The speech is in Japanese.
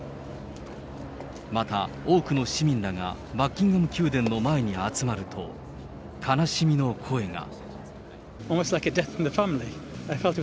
また、多くの市民らがバッキンガム宮殿の前に集まると、悲しみの声が。